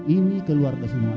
ini keluarga semua